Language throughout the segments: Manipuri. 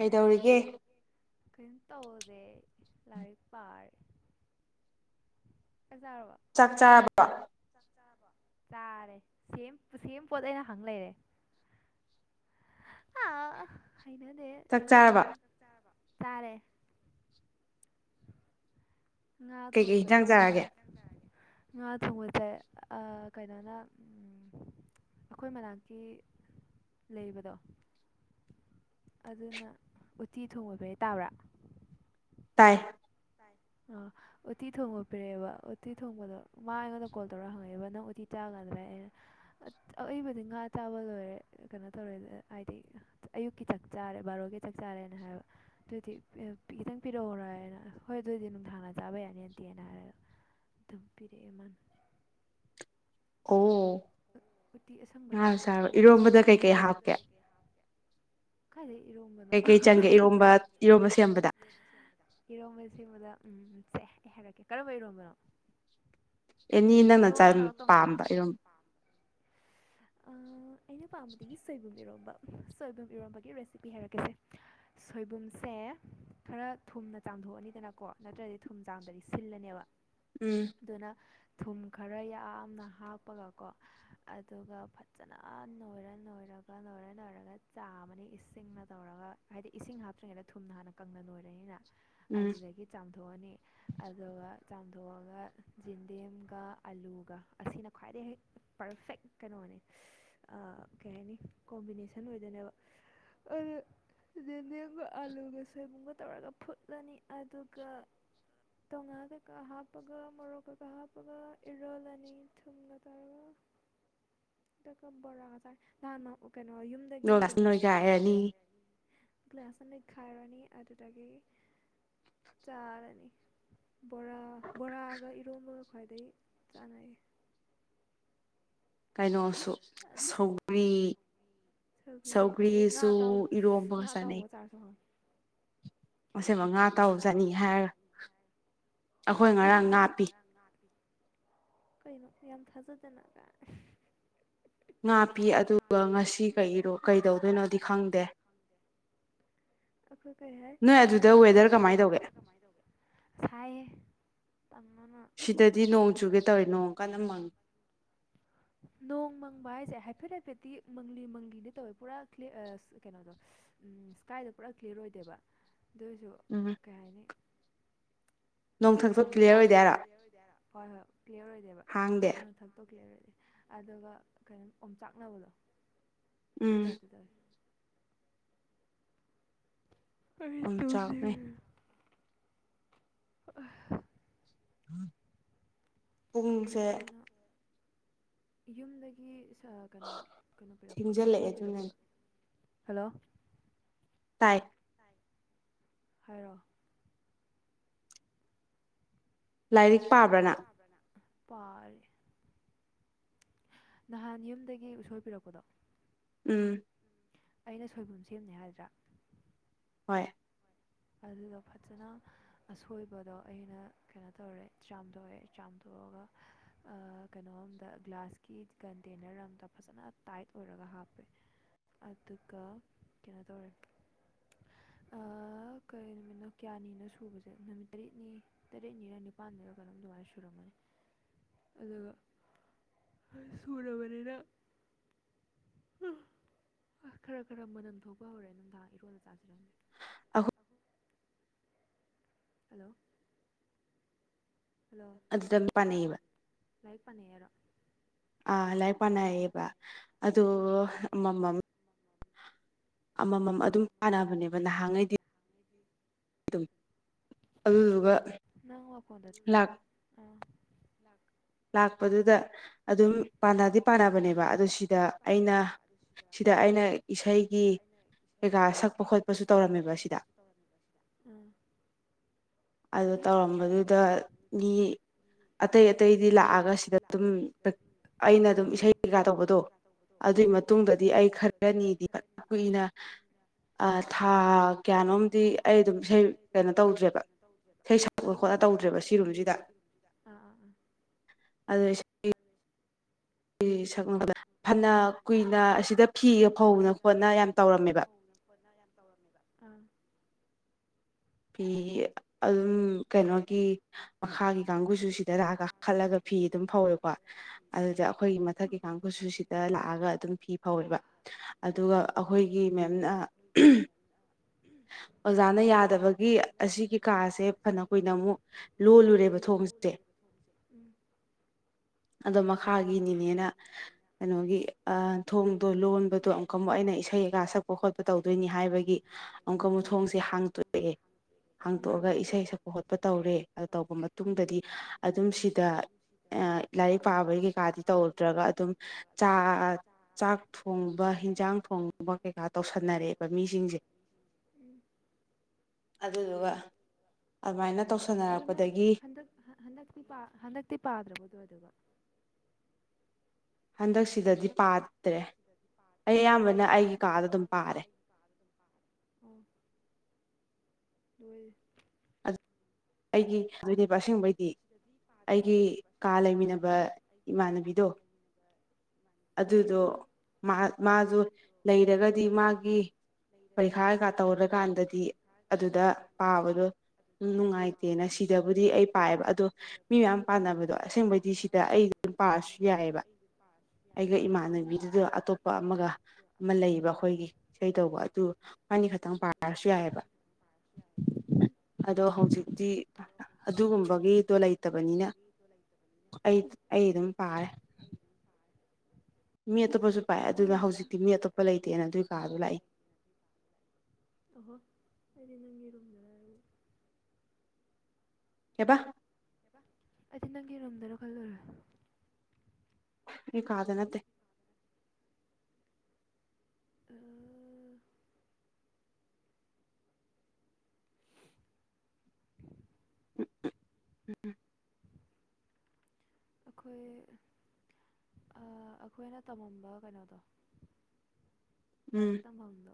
ꯀꯩꯗꯧꯔꯤꯒꯦ ꯀꯩꯝ ꯇꯧꯗꯦ ꯂꯥꯏꯔꯛ ꯄꯥꯔ ꯆꯛ ꯆꯔꯕꯣ ꯆꯥꯛ ꯆꯥꯔꯕꯣ ꯆꯥꯔꯦ ꯁꯦꯝ ꯄꯣꯠ ꯑꯩꯅ ꯍꯪ ꯂꯩꯔꯦ ꯑꯥ ꯍꯩꯅꯅꯦ ꯆꯥꯛ ꯑꯥ ꯆꯥꯔꯕ ꯆꯥꯔꯦ ꯉꯥ ꯀꯩꯀꯩ ꯊꯣꯡꯕ ꯍꯤꯟꯖꯥꯡ ꯆꯥꯏ ꯉꯥ ꯆꯥꯔꯒꯦ ꯉꯥ ꯊꯣꯡꯕ ꯆꯥꯏ ꯑꯥ ꯀꯩꯅꯣꯅ ꯑꯩꯈꯣꯏ ꯃꯅꯥꯛꯀꯤ ꯂꯩꯕꯗꯣ ꯑꯗꯨꯅ ꯎꯠꯇꯤ ꯊꯣꯡꯕ ꯐꯩ ꯇꯥꯕ꯭ꯔꯥ ꯇꯥꯏ ꯇꯥꯢ ꯑꯥ ꯎꯇꯤ ꯊꯣꯡꯕ ꯄꯤꯔꯛꯑꯦꯕ ꯎꯇꯤ ꯊꯣꯡꯕꯗꯣ ꯃꯥ ꯑꯩꯉꯣꯟꯗ ꯀꯣꯜ ꯇꯧꯔ ꯍꯪꯉꯛꯑꯦꯕ ꯅꯪ ꯎꯇꯤ ꯆꯥꯒꯗ꯭ꯔꯥ ꯑꯩꯅ [unintelligible] ꯑꯏꯕꯗꯤ ꯉꯥ ꯆꯥꯕ ꯂꯣꯏꯔꯦ ꯀꯩꯅꯣ ꯇꯧꯔꯦ ꯍꯥꯏꯗꯤ ꯑꯌꯨꯛꯀꯤ ꯆꯥꯛ ꯆꯥꯔꯦ ꯕꯥꯔꯣꯒꯤ ꯆꯥꯛ ꯆꯥꯔꯦꯅ ꯍꯥꯏꯕ ꯑꯗꯨꯗꯤ ꯈꯤꯇꯪ ꯄꯤꯔꯛꯎꯔꯅ ꯍꯣꯏ ꯑꯗꯨꯑꯣꯏꯗꯤ ꯅꯨꯡꯊꯡꯅ ꯆꯥꯕ ꯌꯥꯅꯤꯗꯦꯅ ꯍꯥꯏꯔꯒ ꯑꯗꯨꯝ ꯄꯤꯔꯛꯑꯦ ꯃꯥꯅ ꯑꯣ ꯎꯇꯤ ꯑꯁꯪꯕ ꯉꯥ ꯇꯥꯏꯞꯇ ꯆꯥꯔꯣ ꯇꯧꯋꯦꯗ ꯑꯩꯁꯨ ꯑꯁꯪ ꯏꯔꯣꯝꯕꯗ ꯀꯩꯀꯩ ꯂꯔꯣꯟꯕꯗ ꯍꯥꯞꯀꯦ ꯀꯩꯀꯩ ꯍꯥꯞꯒꯦ ꯀꯥꯢꯗꯩ ꯏꯔꯣꯝꯕꯅꯣ ꯀꯩꯀꯩ ꯆꯪꯒꯦ ꯏꯔꯣꯝꯕ ꯏꯔꯣꯝꯕ ꯁꯦꯝꯕꯗ ꯏꯔꯣꯝꯕ ꯁꯤꯕꯗ ꯎꯝ ꯁꯦ ꯍꯥꯏꯔꯛꯀꯦ ꯀꯔꯝꯕ ꯏꯔꯣꯝꯕꯅꯣ ꯑꯦꯅꯤ ꯅꯪꯅ ꯏꯔꯣꯝꯕ ꯄꯨꯝꯅꯃꯛ ꯇꯣꯡꯉꯥꯜꯂꯦ ꯄꯥꯝꯕ ꯏꯔꯣꯝ ꯑꯩꯅ ꯄꯥꯝꯕꯗꯤ ꯁꯣꯏꯕꯨꯝ ꯢꯔꯣꯝꯕ ꯁꯣꯏꯕꯨꯝ ꯏꯔꯣꯟꯝꯕꯒꯤ ꯔꯦꯁꯤꯄꯤ ꯍꯥꯏꯔꯛꯀꯁꯦ ꯁꯣꯏꯕꯨꯝꯁꯦ ꯈꯔ ꯊꯨꯝꯅ ꯆꯥꯊꯣꯛꯑꯅꯤꯗꯅꯀꯣ ꯅꯠꯇ꯭ꯔꯗꯤ ꯊꯨꯝ ꯆꯥꯡꯗꯗꯤ ꯁꯤꯜꯂꯅꯦꯕ ꯎꯝ ꯑꯗꯨꯅ ꯊꯨꯝ ꯈꯔ ꯌꯥꯝꯅ ꯍꯥꯞꯄꯒꯀꯣ ꯑꯗꯨꯒ ꯐꯖꯅ ꯅꯣꯏꯔ ꯅꯣꯏꯔꯒ ꯅꯣꯏꯔ ꯅꯣꯏꯔꯒ ꯆꯥꯃꯅꯤ ꯏꯁꯤꯡꯅ ꯇꯧꯔꯒ ꯍꯥꯏꯗꯤ ꯏꯁꯤꯡ ꯍꯥꯞꯇ꯭ꯔꯤꯉꯩꯗ ꯊꯨꯝꯅ ꯍꯥꯟꯅ ꯀꯪꯅ ꯂꯣꯏꯔꯅꯤꯅ ꯎꯝ ꯑꯗꯨꯗꯒꯤ ꯆꯥꯝꯊꯣꯛꯑꯅꯤ ꯑꯗꯨꯒ ꯆꯥꯝꯊꯣꯛꯑꯒ ꯌꯦꯟꯗꯤꯝ ꯑꯥꯂꯨꯒ ꯑꯁꯤꯅ ꯈ꯭ꯋꯥꯏꯗꯒꯤꯩ ꯍꯦꯛ ꯄꯔꯐꯦꯛ ꯀꯩꯅꯣꯅꯤ ꯑ ꯀꯩ ꯍꯥꯏꯅꯤ ꯀꯣꯝꯕꯤꯅꯦꯁꯟ ꯑꯣꯏꯗꯅꯦꯕ ꯑꯗꯨ ꯂꯦꯝꯒ ꯑꯥꯂꯨꯒ ꯁꯣꯏꯕꯨꯝꯒ ꯇꯧꯔꯒ ꯐꯨꯠꯂꯅꯤ ꯑꯗꯨꯒ ꯇ ꯉꯗ ꯀ ꯍꯥꯞꯒ ꯃꯔꯣꯛ ꯀꯩꯒ ꯍꯥꯞ ꯒ ꯏꯔꯣꯜꯅꯤ ꯊꯝꯕ ꯇꯧꯔꯒ ꯕꯣꯔꯥ ꯉꯁꯥꯏ ꯅꯍꯥꯟ ꯀꯩꯅꯣ ꯌꯨꯝꯗꯒꯤ ꯂꯣꯏꯒꯥꯁꯨ ꯀꯩꯅꯣ ꯂꯣꯏꯒꯥꯏꯔꯅꯤ ꯒ꯭ꯂꯥꯁꯅꯤ ꯈꯥꯏꯔꯅꯤ ꯑꯗꯨꯗꯒꯤ ꯆꯥꯔꯅꯤ ꯕꯣꯔꯥ ꯕꯣꯔꯥꯒ ꯏꯔꯣꯝꯕꯒ ꯈ꯭ꯋꯥꯏꯗꯒꯤ ꯆꯥꯟꯅꯩꯌꯦ ꯀꯩꯅꯣꯁꯨ ꯑꯗꯩ ꯁꯧꯒ꯭ꯔꯤ ꯁꯧꯒ꯭ꯔꯤ ꯑꯗꯩ ꯉꯥ ꯁꯧꯒ꯭ꯔꯤꯁꯨ ꯑꯇꯥꯎꯕ ꯏꯔꯣꯝꯕ ꯉꯥ ꯆꯥꯟꯅꯩ ꯑꯇꯥꯎꯕꯒ ꯆꯥꯔꯁꯨ ꯍꯥꯎꯋꯤ ꯑꯁꯕ ꯉꯥ ꯇꯧ ꯆꯅꯤ ꯍꯥꯏꯔ ꯌꯨꯝꯗꯒꯤ ꯉꯥꯡ ꯀꯩꯅꯣ ꯌꯥꯝ ꯊꯥꯖꯗꯅ ꯀꯥꯢ ꯉꯥꯞꯄꯤ ꯑꯗꯨꯒ ꯉꯁꯤ ꯀꯔꯣ ꯀꯩꯗꯧꯗꯣꯏꯅꯣꯗꯤ ꯈꯪꯗꯦ ꯑꯩꯈꯣꯏ ꯀꯩ ꯍꯥꯏ ꯅꯣꯏ ꯑꯗꯨꯗ ꯑꯩꯩꯅ ꯋꯦꯗꯔ ꯁꯤꯗ ꯀꯃꯥꯏꯅ ꯇꯧꯒꯦ ꯋꯦꯗꯔ ꯀꯃꯥꯏꯅ ꯇꯧꯒꯦ ꯁꯥꯢꯌꯦ ꯇꯥꯟꯃꯅ ꯁꯤꯗꯗꯤ ꯅꯣꯡ ꯆꯨꯒꯦ ꯇꯧꯔꯤ ꯅꯣꯡ ꯀꯟꯅ ꯃꯪꯉꯤ ꯅꯣꯡ ꯃꯪꯕ ꯍꯥꯏꯁꯦ ꯍꯥꯏꯐꯦꯠ ꯍꯥꯏꯐꯦꯠꯇꯤ ꯃꯪꯂꯤ ꯃꯪꯂꯤꯅꯦ ꯇꯧꯋꯦ ꯄꯨꯔꯥꯂꯤꯌꯥ ꯀꯩꯅꯣꯗꯣ ꯁ꯭ꯀꯥꯏꯗ ꯄꯨꯔꯥ ꯀ꯭ꯂꯤꯌꯥꯔ ꯑꯣꯏꯗꯦꯕ ꯑꯗꯨꯑꯣ ꯑꯣꯏꯔꯁꯨ ꯎꯝ ꯀꯩ ꯍꯥꯏꯅꯤ ꯅꯣꯡꯊꯛꯁꯨ ꯑꯣꯝ ꯀ꯭ꯂꯤꯌꯥꯔ ꯆꯥꯛ ꯑꯣꯏꯗꯦ ꯑꯗꯨꯝ ꯍꯥꯏꯔꯣ ꯀ꯭ꯂꯤꯌꯥꯔ ꯑꯣꯏꯗꯦ ꯍꯥꯏꯔ ꯐꯔꯣꯏ ꯐꯦ ꯀ꯭ꯂꯤꯌꯥꯔ ꯑꯣꯏꯗꯦꯕ ꯍꯥꯡꯗꯦ ꯅꯪ ꯊꯛꯇꯣ ꯀ꯭ꯂꯤꯌꯥꯔ ꯑꯣꯏꯗꯦ ꯑꯗꯨꯒ ꯀꯩꯅꯣ ꯑꯣꯝꯆꯥꯛꯅꯕꯗꯣ ꯑꯗꯨꯒꯤ ꯎꯝ ꯇꯥꯏꯞꯇ ꯇꯧꯋꯤ ꯇꯧꯋꯤ ꯑꯩ ꯑꯣꯝꯆꯥꯛꯅꯩ ꯇꯨꯝꯅꯤꯡꯉꯦ [unintelligible] ꯄꯨꯡ ꯀꯩꯅꯣ ꯌꯨꯝꯗꯒꯤ ꯀꯩꯅꯣ ꯀꯩꯅꯣ ꯄꯤꯔꯛꯄꯗꯣ ꯊꯦꯡꯖꯤꯜꯂꯛꯑꯦ ꯎꯁꯣꯏ ꯑꯗꯨꯅꯅꯦ ꯄꯤꯔꯛꯄꯗꯣ ꯍꯜꯂꯣ ꯇꯥꯏ ꯍꯥꯏꯔꯣ ꯄꯥꯕ꯭ꯔ ꯂꯥꯏꯔꯤꯛ ꯅꯪ ꯄꯥꯕ꯭ꯔꯅ ꯄꯥꯔꯦ ꯅꯍꯥꯟ ꯌꯨꯝꯗꯒꯤ ꯎꯁꯣꯏ ꯄꯤꯔꯛꯄꯗꯣ ꯎꯝ ꯑꯩꯅ ꯁꯣꯏꯕꯨꯝ ꯁꯦꯝꯅꯤ ꯍꯥꯏꯗ꯭ꯔꯥ ꯍꯣꯏ ꯑꯗꯨꯗꯣ ꯐꯖꯅ ꯑꯁꯣꯏꯕꯗꯣ ꯑꯩꯅ ꯀꯩꯅꯣ ꯇꯧꯔꯦ ꯆꯥꯝꯊꯣꯛꯑꯦ ꯆꯥꯝꯊꯣꯛꯑꯒ ꯀꯩꯅꯣ ꯑꯝꯗ ꯒ꯭ꯂꯥꯁꯀꯤ ꯀꯟꯇꯦꯅꯔ ꯑꯝꯗ ꯐꯖꯅ ꯇꯥꯏꯠ ꯑꯣꯏꯔꯒ ꯍꯥꯞꯄꯦ ꯑꯗꯨꯒ ꯀꯩꯅꯣ ꯇꯧꯔꯦ ꯀꯔꯤ ꯅꯨꯃꯤꯠꯅꯣ ꯀꯌꯥꯅꯤꯅꯣ ꯁꯨꯕꯁꯦ ꯅꯨꯃꯤꯠ ꯇꯔꯦꯠꯅꯤ ꯇꯔꯦꯠꯅꯤꯔ ꯅꯤꯄꯜꯅꯤꯔ ꯀꯩꯅꯣꯝ ꯑꯗꯨꯃꯥꯏꯅ ꯁꯨꯔꯝꯒꯅꯤ ꯑꯗꯨꯒ ꯁꯨꯔꯕꯅꯤꯅ ꯈꯔ ꯈꯔ ꯃꯅꯝ ꯊꯣꯛꯄ ꯍꯧꯔꯦ ꯅꯨꯡꯗꯥꯡ ꯏꯔꯣꯜꯂ ꯆꯥꯁꯤꯔꯥ [unintelligible] ꯍꯜꯂꯣ ꯍꯜꯂꯣ ꯑꯗꯨꯗ ꯄꯥꯅꯩꯌꯦꯕ ꯂꯥꯏꯔꯤꯛ ꯄꯥꯅꯩ ꯍꯥꯏꯔꯣ ꯑꯥ ꯂꯥꯏꯔꯤꯛ ꯄꯥꯅꯩꯌꯦꯕ ꯑꯗꯨ ꯎꯝ ꯑꯃꯃꯝ ꯑꯃꯃꯝ ꯑꯗꯨꯝ ꯇꯥꯟꯅꯕꯅꯦꯕ ꯅꯍꯥꯟꯉꯩꯗꯤ [unintelligible] ꯑꯗꯨꯗꯨꯒ ꯅꯪ ꯋꯥꯀꯣꯗ ꯂꯥꯛ ꯂꯥꯛꯄꯗꯨꯗ ꯑꯗꯨꯝ ꯄꯥꯟꯅꯗꯤ ꯄꯥꯟꯅꯕꯅꯦꯕ ꯑꯗꯨ ꯁꯤꯗ ꯑꯩꯅ ꯁꯤꯗ ꯑꯩꯅ ꯏꯁꯩꯒꯤ ꯀꯩꯀꯥ ꯁꯛꯄ ꯈꯣꯠꯄꯁꯨ ꯇꯧꯔꯝꯃꯦꯕ ꯁꯤꯗ [unintelligible] ꯎꯝ ꯑꯗꯨ ꯇꯧꯔꯝꯕꯗꯨꯗ ꯃꯤ ꯑꯇꯩ ꯑꯇꯩꯗꯤ ꯂꯥꯛꯑꯒ ꯁꯤꯗ ꯑꯗꯨꯝ ꯑꯩꯅ ꯑꯗꯨꯝ ꯏꯁꯩ ꯀꯩꯀꯥ ꯇꯧꯕꯗꯣ ꯑꯗꯨꯒꯤ ꯑꯥ ꯃꯇꯨꯡꯗꯗꯤ ꯑꯩ ꯈꯔꯅꯤꯗꯤ ꯀꯨꯏꯅ ꯊꯥ ꯀꯌꯥꯅꯣꯝ ꯀꯌꯥꯝꯝꯗꯤ ꯑꯩ ꯑꯗꯨꯝ ꯀꯩꯅꯣ ꯇꯧꯗꯦ ꯏꯁꯩ ꯁꯛꯄ ꯈꯣꯠꯂ ꯏꯁꯩ ꯁꯥꯄ ꯇꯧꯗ꯭ꯔꯦꯕ ꯈꯔ ꯁꯤꯔꯨꯝꯁꯤꯗ ꯇꯧꯗꯕ ꯁꯤꯔꯨꯝꯁꯤꯗ ꯑꯥ ꯑꯥ ꯑꯥ [unintelligible] [unintelligible] ꯁꯛꯅꯕꯗ ꯐꯅ ꯀꯨꯏꯅ ꯑꯁꯤꯗ ꯐꯤꯒ ꯐꯧꯅ ꯈꯣꯠꯅ ꯌꯥꯝ ꯇꯧꯔꯝꯃꯦꯕ [unintelligible] ꯇꯧꯔꯝꯃꯦꯕ ꯐꯤ ꯑꯗꯨꯝ ꯀꯩꯅꯣꯒꯤ ꯃꯈꯥꯒꯤ ꯀꯥꯡꯒꯨꯁꯨ ꯁꯤꯗ ꯔꯥꯛꯑꯒ ꯈꯜꯂꯒ ꯐꯤ ꯑꯗꯨꯝ ꯐꯧꯋꯦꯀꯣ ꯑꯗꯨꯗ ꯑꯩꯈꯣꯏꯒꯤ ꯃꯊꯛꯀꯤ ꯀꯥꯡꯒꯨꯁꯨ ꯁꯤꯗ ꯂꯥꯛꯑꯒ ꯑꯗꯨꯝ ꯐꯤ ꯐꯧꯋꯦꯕ ꯑꯗꯨꯒ ꯎꯝ ꯑꯩꯈꯣꯏꯒꯤ ꯃꯦꯝꯅ ꯑꯣꯖꯥꯅ ꯌꯥꯗꯕ ꯑꯣꯖꯥꯅ ꯌꯥꯗꯕꯒꯤ ꯑꯁꯤꯒꯤ ꯀꯥꯁꯦ ꯑꯃꯨꯛ ꯊꯕꯛ ꯀꯨꯏꯅ ꯑꯃꯨꯛ ꯂꯣꯜꯂꯨꯔꯦꯕ ꯊꯣꯡꯁꯦ ꯂꯣꯜꯂꯨꯔꯦꯕ ꯊꯣꯡꯁꯦ ꯑꯗꯣ ꯃꯈꯥꯒꯤꯅꯤꯅꯦꯅ ꯀꯩꯅꯣꯒꯤ ꯑ ꯊꯣꯡ ꯂꯣꯟꯕꯗꯣ ꯑꯃꯨꯛꯀ ꯑꯃꯨꯛ ꯑꯩꯅ ꯏꯁꯩ ꯀꯀ ꯁꯛꯄ ꯈꯣꯠꯄ ꯇꯧꯗꯣꯏꯅꯤ ꯍꯥꯏꯕꯒꯤ ꯑꯃꯨꯛꯀ ꯃꯨꯊꯣꯡꯁꯦ ꯍꯥꯡꯇꯣꯛꯑꯦ ꯎꯝ ꯍꯥꯡꯇꯣꯛꯑꯒ ꯏꯁꯩ ꯁꯛꯄ ꯈꯣꯠꯄ ꯇꯧꯔꯦ ꯑꯗꯨ ꯇꯧꯕ ꯎꯝ ꯃꯇꯨꯡꯗꯗꯤ ꯑꯗꯨꯝ ꯁꯤꯗ ꯂꯥꯏꯔꯤꯛ ꯄꯥꯕꯒꯤ ꯀꯩꯀꯥꯗꯤ ꯇꯧꯗ꯭ꯔꯒ ꯑꯗꯨꯝ ꯆꯥ ꯆꯥꯛ ꯊꯣꯡꯕ ꯍꯟꯖꯥꯡ ꯊꯣꯡꯕ ꯀꯩꯀꯥ ꯇꯧꯁꯟꯅꯔꯛꯑꯦꯕ ꯃꯤꯁꯤꯡꯁꯦ ꯎꯝ ꯑꯗꯨꯗꯨꯒ ꯑꯗꯨꯃꯥꯏꯅ ꯇꯧꯁꯜ ꯑꯣ ꯅꯪ ꯍꯟꯗꯛ ꯍꯟꯗꯛꯇꯤ ꯍꯟꯗꯛꯇꯤ ꯄꯥꯗ꯭ꯔꯕꯗꯣ ꯑꯗꯨꯒ ꯍꯟꯗꯛꯁꯤꯗꯗꯤ ꯄꯥꯗ꯭ꯔꯦ ꯑꯩ ꯑꯌꯥꯝꯕꯅ ꯑꯩꯒꯤ ꯀꯥꯗ ꯑꯗꯨꯝ ꯄꯥꯔꯦ ꯎꯝ ꯂꯣꯏ ꯑꯗꯨ ꯑꯩꯒꯤ ꯑꯗꯨꯅꯦꯕ ꯑꯁꯦꯡꯕꯩꯗꯤ ꯑꯩꯒꯤ ꯀꯥ ꯂꯩꯃꯤꯟꯅꯕ ꯎꯝ ꯏꯃꯥꯟꯅꯕꯤꯗꯣ ꯑꯗꯨꯗꯣ ꯃꯥ ꯃꯥꯖꯨ ꯂꯩꯔꯒꯗꯤ ꯃꯥꯒꯤ ꯄꯔꯤꯈꯥ ꯀꯩꯀꯥ ꯇꯧꯔꯀꯥꯟꯗꯗꯤ ꯑꯗꯨꯗ ꯄꯥꯕꯗꯣ ꯎ ꯅꯨꯡꯉꯥꯏꯇꯦꯅ ꯁꯤꯗꯕꯨꯗꯤ ꯑꯩ ꯄꯥꯏꯑꯦꯕ ꯑꯗꯣ ꯃꯤ ꯃꯌꯥꯝ ꯄꯥꯟꯅꯕꯗꯣ ꯑꯁꯦꯡꯕꯩꯗꯤ ꯁꯤꯗ ꯑꯩ ꯄꯥꯔꯁꯨ ꯌꯥꯏꯑꯕ ꯑꯩꯒ ꯎꯝ ꯏꯃꯥꯟꯅꯕꯤꯗꯨꯗ ꯑꯇꯣꯞꯄ ꯑꯃꯒ ꯑꯃ ꯂꯩꯕ ꯑꯩꯈꯣꯏꯒꯤ ꯏꯁꯩꯗꯧꯕ ꯑꯗꯨ ꯑꯩꯈꯣꯏꯕꯅꯤ ꯈꯛꯇꯪ ꯄꯥꯔꯁꯨ ꯌꯥꯏꯑꯕ ꯎꯝ ꯑꯗꯣ ꯍꯧꯖꯤꯛꯇꯤ ꯑꯗꯨꯒꯨꯝꯕꯒꯤꯗꯣ ꯂꯩꯇꯕꯅꯤꯅ ꯑꯩ ꯑꯩ ꯑꯗꯨꯝ ꯄꯥꯔꯦ ꯃꯤ ꯑꯇꯣꯞꯄꯁꯨ ꯄꯥꯏ ꯑꯗꯨꯅ ꯍꯧꯖꯤꯛꯇꯤ ꯃꯤ ꯑꯇꯣꯞꯄ ꯂꯩꯇꯦꯅ ꯑꯗꯨꯒꯤ ꯀꯥꯗꯣ ꯂꯥꯛꯏ ꯑꯍꯣ ꯑꯩꯗꯤ ꯅꯪꯒꯤ ꯔꯨꯝꯗꯔꯅ ꯀꯦꯕ ꯑꯩꯗꯤ ꯅꯪꯒꯤ ꯔꯨꯝꯗꯔ ꯈꯜꯂꯨꯔꯦ ꯑꯩ ꯀꯥꯗ ꯅꯠꯇꯦ ꯑ ꯑꯩꯈꯣꯏ ꯑꯥ ꯑꯩꯈꯣꯏꯅ ꯇꯝꯃꯝꯕ ꯀꯩꯅꯣꯗꯣ ꯎꯝ ꯂꯥꯏꯔꯤꯛ ꯇꯝꯐꯝꯗꯣ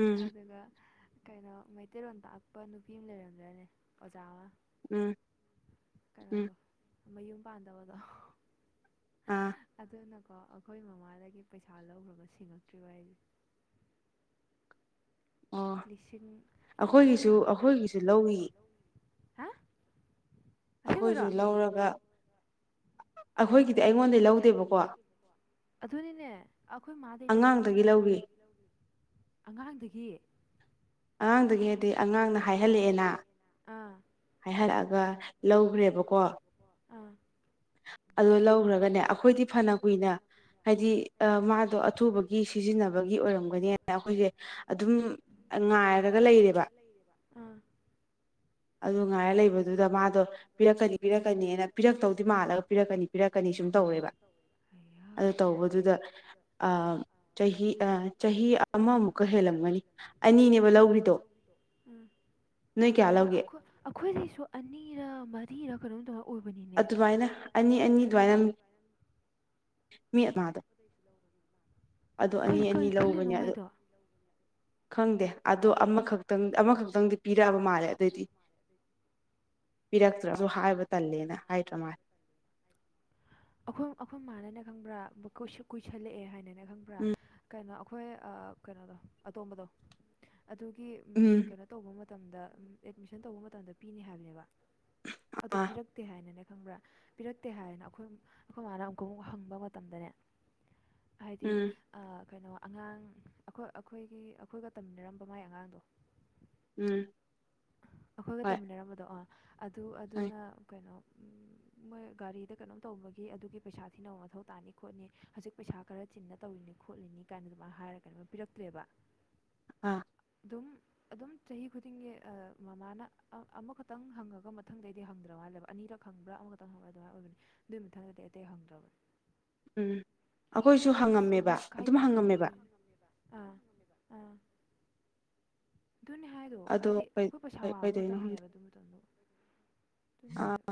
ꯎꯝ ꯑꯗꯨꯒ ꯀꯩꯅꯣ ꯃꯩꯇꯩꯔꯣꯟ ꯇꯥꯛꯄ ꯅꯨꯄꯤ ꯑꯃ ꯂꯩꯔꯝꯗꯥꯏꯅꯦ ꯑꯣꯖꯥꯃ ꯎꯝ ꯎꯝ ꯀꯅꯣꯗꯣ ꯃꯌꯨꯝ ꯄꯥꯟꯗꯕꯗꯣ ꯑꯥ ꯑꯗꯨꯅꯀꯣ ꯑꯩꯈꯣꯏ ꯃꯃꯥꯗꯒꯤ ꯄꯩꯁꯥ ꯂꯧꯈ꯭ꯔꯕ ꯁꯤꯡꯉꯛꯇ꯭ꯔꯤꯕ ꯍꯥꯏꯁꯦ ꯑꯣ ꯂꯤꯁꯤꯡ ꯂꯤꯁꯤꯡ ꯑꯩꯈꯣꯏꯒꯤꯁꯨ ꯀꯌꯥꯅꯣ ꯑꯩꯈꯣꯏꯒꯤꯁꯨ ꯂꯧꯏ [inaudible] ꯍꯥ ꯑꯁꯦꯡꯕꯩꯔꯣ ꯑꯩꯈꯣꯏꯁꯨ ꯂꯧꯔꯒ ꯑꯩꯈꯣꯏꯒꯤꯗꯤ ꯑꯩꯉꯣꯟꯗꯩ ꯂꯧꯗꯦꯕꯀꯣ [inaudible] ꯑꯗꯨꯅꯤꯅꯦ ꯑꯩꯈꯣꯏ ꯃꯥꯗꯩ ꯑꯉꯥꯡꯗꯒꯤ ꯂꯧꯒ꯭ꯔꯤꯅꯤꯅꯦ ꯂꯧꯈꯤ ꯑꯉꯥꯡꯗꯒꯤ ꯑꯉꯥꯡꯗꯒꯤ ꯅꯠꯇꯦ ꯑꯉꯥꯡꯅ ꯍꯥꯏꯍꯜꯂꯛꯑꯦꯅ ꯑꯥ ꯍꯥꯏꯍꯜꯂꯛꯑꯒ ꯂꯧꯒ꯭ꯔꯦꯕꯀꯣ ꯑꯥ ꯑꯗꯨꯗ ꯂꯧꯈ꯭ꯔꯒꯅꯦ ꯑꯩꯈꯣꯏꯗꯤ ꯐꯅ ꯀꯨꯏꯅ ꯍꯥꯏꯗꯤ ꯑꯥ ꯃꯥꯗꯣ ꯑꯊꯨꯕ ꯒꯤ ꯁꯤꯖꯤꯟꯅꯕꯒꯤ ꯑꯣꯏꯔꯝꯒꯅꯦꯅ ꯑꯩꯈꯣꯏꯁꯦ ꯑꯗꯨꯝ ꯉꯥꯏꯔꯒ ꯂꯩꯔꯦꯕ ꯑꯥ ꯑꯗꯨ ꯉꯥꯏ ꯂꯩꯕ ꯑꯗꯨꯗ ꯃꯥꯗꯣ ꯄꯤꯔꯛꯀꯅꯤ ꯄꯤꯔꯛꯀꯅꯤꯅ ꯄꯤꯔꯛꯇꯧꯗꯤ ꯃꯥꯜꯂꯒ ꯄꯤꯔꯛꯀꯅꯤ ꯄꯤꯔꯛꯀꯅꯤ ꯁꯨꯝ ꯇꯧꯋꯦꯕ ꯑꯌꯥ ꯑꯗꯨ ꯇꯧꯕꯗꯨꯗ ꯑꯥ ꯆꯍꯤ ꯑ ꯆꯍꯤ ꯑꯃꯃꯨꯛꯀ ꯍꯦꯜꯂꯝꯒꯅꯤ ꯑꯅꯤꯅꯦꯕ ꯂꯧꯒ꯭ꯔꯤꯗꯣ ꯅꯣꯏ ꯀꯌꯥ ꯂꯧꯒꯤ ꯑꯩꯈꯣꯏꯒꯤꯁꯨ ꯑꯅꯤꯔ ꯃꯔꯤꯔ ꯀꯩꯅꯣꯝ ꯇꯧ ꯑꯗꯨꯃꯥꯏꯅ ꯑꯅꯤ ꯑꯅꯤ ꯑꯗꯨꯃꯥꯏꯅ [inaudible] ꯃꯤ ꯑꯃꯗ ꯑꯗꯨ ꯀꯩ ꯑꯅꯤ ꯑꯅꯤ ꯀꯩ ꯈꯜꯂꯤꯅꯣ ꯂꯧꯕꯅꯦ ꯑꯗꯨ ꯃꯥꯏꯗꯣ ꯈꯪꯗꯦ ꯑꯗꯣ ꯑꯃꯈꯛꯇꯪ ꯑꯃꯈꯛꯇꯪꯗꯤ ꯄꯤꯔꯛꯑꯕ ꯃꯥꯜꯂꯦ ꯑꯗꯨꯑꯣꯏꯗꯤ ꯄꯤꯔꯛꯇ꯭ꯔꯁꯨ ꯍꯥꯏꯕ ꯇꯜꯂꯦꯅ ꯍꯥꯏꯗ꯭ꯔ ꯃꯥ ꯑꯩꯈꯣꯏ ꯑꯩꯈꯣꯏ ꯃꯥꯥꯟꯅꯅ ꯈꯪꯕ꯭ꯔꯥ ꯕꯀꯨꯏ ꯀꯨꯏꯁꯜꯂꯛꯑꯦ ꯍꯥꯏꯅꯅ ꯈꯪꯕ꯭ꯔꯥ ꯀꯩꯅꯣ ꯑꯩꯈꯣꯏ ꯑꯥ ꯀꯩꯅꯣꯗꯣ ꯑꯇꯣꯝꯕꯗꯣ ꯑꯗꯨꯒꯤ ꯎꯝ ꯀꯩꯅꯣ ꯇꯧꯕ ꯃꯇꯝꯗ ꯎꯝ ꯑꯦꯗꯃꯤꯁꯟ ꯇꯧꯕ ꯃꯇꯝꯗ ꯄꯤꯅꯤ ꯍꯥꯏꯕꯅꯦꯕ ꯑꯗꯣ ꯑꯥ ꯄꯤꯔꯛꯇꯦ ꯍꯥꯏꯅꯅꯦ ꯈꯪꯕ꯭ꯔꯥ ꯄꯤꯔꯛꯇꯦ ꯍꯥꯏꯅ ꯑꯩꯈꯣꯏ ꯑꯩꯈꯣꯏ ꯃꯥꯅ ꯑꯃꯨꯛꯀ ꯑꯃꯨꯛ ꯍꯪꯕ ꯃꯇꯝꯗꯅꯦ ꯍꯥꯏꯗꯤ ꯎꯝ ꯑꯥ ꯀꯩꯅꯣ ꯑꯉꯥꯡ ꯑꯩꯈꯣꯏ ꯑꯩꯈꯣꯏꯒꯤ ꯑꯩꯈꯣꯏꯒ ꯇꯝꯃꯤꯟꯅꯔꯝꯕ ꯃꯥꯏ ꯑꯉꯥꯡꯗꯣ ꯎꯝ ꯑꯈꯣꯏꯒ ꯍꯣꯏ ꯇꯝꯃꯤꯟꯅꯔꯝꯕꯗꯣ ꯑꯗꯨ ꯑꯗꯨ ꯍꯣꯏ ꯑꯗꯨꯅ ꯀꯩꯅꯣ [inaudible] ꯃꯣꯏ ꯒꯥꯔꯤꯗ ꯀꯩꯅꯣꯝ ꯇꯧꯕꯒꯤ ꯑꯗꯨꯒꯤ ꯄꯩꯁꯥ ꯊꯤꯅꯕ ꯃꯊꯧ ꯇꯥꯅꯤ ꯈꯣꯠꯅꯤ ꯍꯧꯖꯤꯛ ꯄꯩꯁꯥ ꯈꯔ ꯆꯤꯟꯅ ꯇꯧꯔꯤꯅꯤ ꯈꯣꯠꯂꯤꯅꯤ ꯀꯥꯏꯅ ꯑꯗꯨꯃꯥꯏꯅ ꯍꯥꯏꯔꯒ ꯄꯤꯔꯛꯇ꯭ꯔꯦꯕ ꯑꯥ ꯑꯗꯨꯝ ꯑꯗꯨꯝ ꯆꯍꯤ ꯈꯨꯗꯤꯡꯒꯤ ꯃꯃꯥꯅ ꯑꯃꯈꯛꯇꯪ ꯍꯪꯉꯒ ꯃꯊꯪꯗꯩꯗꯤ ꯍꯪꯗ꯭ꯔ ꯍꯥꯏꯜꯂꯦꯕ ꯑꯅꯤꯔꯛ ꯈꯪꯕ꯭ꯔꯥ ꯑꯃꯈꯛꯇꯪ ꯍꯪꯕ꯭ꯔꯥ ꯑꯗꯨꯃꯥꯏꯅ ꯑꯣꯏꯕꯅꯤ ꯑꯗꯨꯏ ꯃꯊꯪꯗꯗꯤ ꯑꯇꯩ ꯍꯪꯗ꯭ꯔꯕꯅꯦ ꯎꯝ ꯑꯩꯈꯣꯏꯁꯨ ꯑꯁ ꯍꯪꯉꯝꯃꯦꯕ ꯃꯃꯥꯏ ꯑꯗꯨꯝ ꯀꯥꯏꯗꯦ ꯀꯩꯅꯣ ꯍꯪꯉꯝꯃꯦꯕ ꯑꯗꯨ ꯑꯥ ꯑꯥ ꯑꯗꯨꯅꯦ ꯍꯥꯏꯗꯣ ꯑꯗꯣ ꯍꯥꯏꯗꯤ ꯑꯩꯈꯣꯏ ꯄꯩꯁꯥ ꯋꯥꯕ ꯀꯩꯗꯣꯏꯅꯣ ꯃꯇꯝꯅꯦꯕ ꯑꯗꯨ ꯃꯇꯝꯗꯣ ꯑꯗꯨꯅꯦ ꯑ ꯍꯥꯏꯗꯣ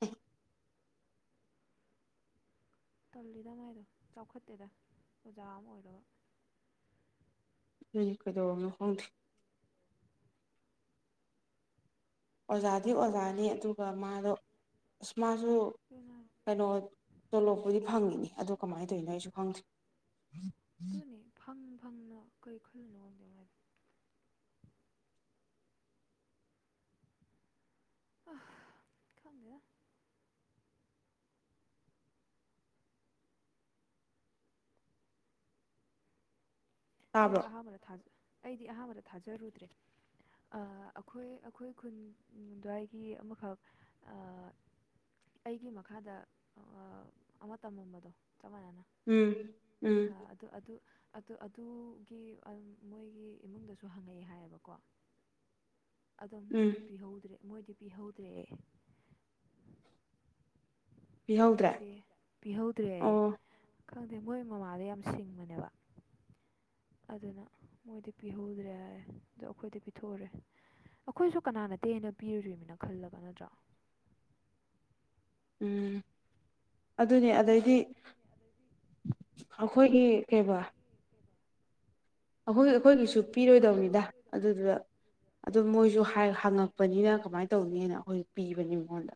ꯎ [inaudible] ꯇꯜꯂꯤꯗ ꯃꯥꯏꯗꯣ ꯆꯥꯎꯈꯠꯇꯦꯗ ꯑꯣꯖꯥ ꯑꯃ ꯑꯣꯏꯔꯣ ꯎꯝ ꯀꯩꯗꯧꯔꯝꯅ ꯈꯪꯗ꯭ꯔꯦ ꯑꯣꯖꯥꯗꯤ ꯑꯣꯖꯥꯅꯤ ꯑꯗꯨꯒ ꯃꯥꯗꯣ ꯑꯁ ꯃꯥꯁꯨ ꯑꯗꯨꯅ ꯀꯩꯅꯣ ꯇꯣꯂꯣꯄꯨꯗꯤ ꯐꯪꯉꯤꯅꯤ ꯑꯗꯨ ꯀꯃꯥꯏꯅ ꯇꯧꯔꯤꯅꯣ ꯑꯩꯁꯨ ꯈꯪꯗ꯭ꯔꯦ ꯑꯗꯨꯅꯦ ꯐꯪ ꯐꯪꯅ ꯀꯔꯤ ꯈꯜꯂꯨꯅꯣ ꯈꯪꯗꯦꯅꯣ ꯍꯥꯏꯗꯤ ꯑ ꯈꯪꯗꯦꯗꯥ ꯇꯥꯕ꯭ꯔꯣ ꯑꯩꯗꯤ ꯑꯍꯥꯟꯕꯗ ꯊꯖꯥ ꯑꯩꯗꯤ ꯑꯍꯥꯟꯕꯗ ꯊꯥꯖꯔꯨꯗ꯭ꯔꯦ ꯑꯩꯈꯣꯏ ꯑꯩꯈꯣꯏ ꯈꯨꯟ ꯑꯗꯨꯋꯥꯏꯒꯤ ꯑꯃꯈꯛ ꯑꯩꯒꯤ ꯃꯈꯥꯗ ꯑꯃ ꯇꯝꯃꯝꯕꯗꯣ ꯆꯞ ꯃꯥꯟꯅꯅ ꯎꯝ ꯎꯝ ꯑꯗꯨꯣ ꯑꯗꯨ ꯑꯗꯨ ꯑꯗꯨꯒꯤ ꯃꯣꯏꯒꯤ ꯏꯃꯨꯡꯗꯁꯨ ꯍꯪꯉꯛꯏ ꯍꯥꯏꯌꯦꯕꯀꯣ ꯑꯗꯣ ꯎꯝ ꯃꯣꯏꯗꯤ ꯄꯤꯍꯧꯗ꯭ꯔꯦ ꯃꯣꯏꯗꯤ ꯄꯤꯍꯧꯗ꯭ꯔꯦ ꯄꯤꯍꯧꯗ꯭ꯔꯦ ꯂꯩꯇꯦ ꯄꯤꯍꯧꯗ꯭ꯔꯦ ꯑꯣ ꯈꯪꯗꯦ ꯃꯣꯏ ꯃꯃꯥꯗ ꯌꯥꯝ ꯁꯤꯡꯕꯅꯦꯕ ꯑꯗꯨꯅ ꯃꯣꯏꯗꯤ ꯄꯤꯍꯧꯗ꯭ꯔꯦ ꯍꯥꯏ ꯑꯗꯣ ꯑꯩꯈꯣꯏꯗꯤ ꯄꯤꯊꯣꯛꯎꯔꯦ ꯑꯩꯈꯣꯏꯁꯨ ꯀꯅꯥ ꯅꯠꯇꯦꯅ ꯄꯤꯔꯨꯔꯤꯃꯤꯅ ꯈꯜꯂꯒ ꯅꯠꯇ꯭ꯔꯣ ꯎꯝ ꯑꯗꯨꯅꯦ ꯍꯣꯏ ꯑꯗꯩꯗꯤ ꯑꯩꯈꯣꯏꯒꯤ ꯀꯩꯕꯥ ꯑꯩꯈꯣꯏ ꯑꯩꯈꯣꯏꯒꯤꯁꯨ ꯄꯤꯔꯣꯏꯗꯕꯅꯤꯗ ꯑꯗꯨꯗꯨꯗ ꯑꯗꯨ ꯃꯣꯏꯁꯨ ꯍꯪꯉꯛꯄꯅꯤꯅ ꯀꯃꯥꯏꯅ ꯇꯧꯅꯤꯅ ꯑꯩꯈꯣꯏ ꯄꯤꯕꯅꯤ ꯃꯉꯣꯟꯗ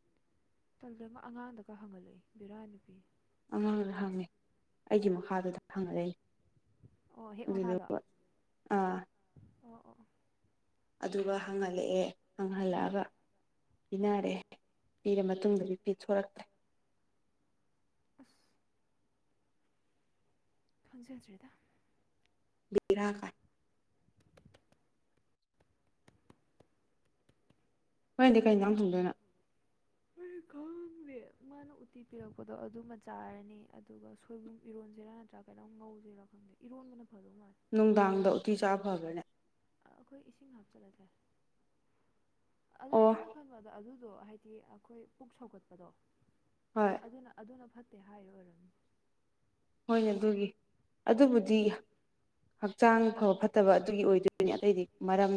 ꯇꯦꯝ ꯑꯃ ꯑꯉꯥꯡꯗꯒ ꯍꯪꯒꯠꯂꯛꯏ ꯕꯤꯔꯥꯅꯤ ꯑꯉꯥꯡꯗ ꯍꯪꯉꯦ ꯑꯩꯒꯤ ꯃꯈꯥꯗꯨꯗ ꯍꯪꯉꯔꯅꯤ ꯑꯣ ꯍꯦꯛ ꯃꯈꯥꯗ ꯑꯥ ꯑꯣ ꯑꯣ ꯑꯗꯨꯒ ꯍꯪꯍꯜꯂꯛꯑꯦ ꯎꯝ ꯍꯪꯍꯜꯂꯛꯑꯒ ꯄꯤꯅꯔꯦ ꯄꯤꯔ ꯃꯇꯨꯡꯗꯗꯤ ꯄꯤꯊꯣꯔꯛꯇ꯭ꯔꯦ ꯑꯁ ꯈꯪꯖꯗ꯭ꯔꯦꯗ [unintelligible] ꯀꯥꯏ ꯍꯣꯔꯦꯟꯗꯤ ꯀꯩ ꯌꯦꯟꯁꯡ ꯊꯣꯡꯗꯣꯏꯅꯣ ꯑꯩ ꯈꯥꯡꯗꯦ ꯃꯥꯅ ꯎꯇꯤ ꯄꯤꯔꯛꯄꯗꯣ ꯑꯗꯨꯃ ꯆꯥꯔꯅꯤ ꯑꯗꯨꯒ ꯁꯣꯏꯕꯨꯝ ꯏꯔꯣꯟꯁꯤꯔꯥ ꯅꯠꯇ꯭ꯔꯥ ꯀꯩꯅꯣꯝ ꯉꯧꯁꯤꯔꯥ ꯈꯪꯗꯦ ꯏꯔꯣꯟꯕꯅ ꯐꯗꯧ ꯃꯥꯜꯂꯦ ꯅꯨꯡꯗꯥꯡꯗ ꯎꯇꯤ ꯆꯥ ꯐꯕ꯭ꯔꯅꯦ ꯑꯩꯈꯣꯏ ꯏꯁꯤꯡ ꯍꯥꯞꯆꯤꯜꯂ ꯊꯛꯑꯦ ꯑꯗꯨ ꯑꯣ ꯑꯩꯅ ꯈꯟꯕꯗ ꯑꯗꯨꯗꯣ ꯍꯥꯏ ꯍꯥꯏꯗꯤ ꯑꯩꯈꯣꯏ ꯄꯨꯛ ꯁꯧꯒꯠꯄꯗꯣ ꯍꯣꯏ ꯑꯗꯨꯅ ꯑꯗꯨꯅ ꯐꯠꯇꯦ ꯍꯥꯏꯔꯤ ꯑꯣꯏꯔꯝꯅꯤ ꯍꯣꯏꯅꯦ ꯑꯗꯨꯒꯤ ꯑꯗꯨꯕꯨꯗꯤ ꯍꯛꯆꯥꯡ ꯐꯕ ꯐꯠꯇꯕ ꯑꯗꯨꯒꯤ ꯑꯣꯏꯗꯣꯏꯅꯤ ꯑꯇꯩꯗꯤ ꯃꯔꯝꯗ